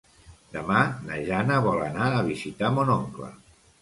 Demà na Jana vol anar a visitar mon oncle.